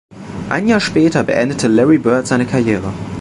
Ein Jahr später beendete Larry Bird seine Karriere.